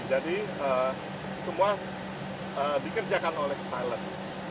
jadi semua dikerjakan oleh pilot